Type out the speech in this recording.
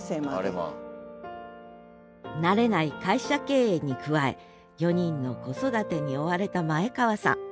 慣れない会社経営に加え４人の子育てに追われた前川さん。